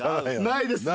ないですね